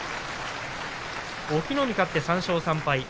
隠岐の海勝って３勝３敗。